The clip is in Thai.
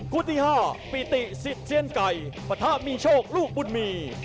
กู้ที่ห้าปีติสิสเทียนไก่ปฏมีโชคลูกมี